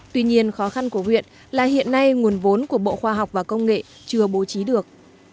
tuy nhiên khó khăn của huyện là hiện nay nguồn vốn của bộ khoa học và công nghệ chưa bố trí được